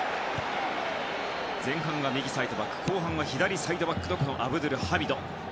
前半は右サイドバック後半は左サイドバックのアブドゥルハミド。